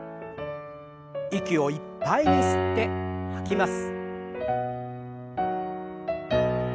息をいっぱいに吸って吐きます。